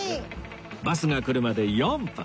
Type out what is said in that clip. バスが来るまで４分